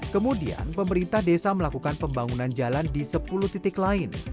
kemudian pemerintah desa melakukan pembangunan jalan di sepuluh titik lain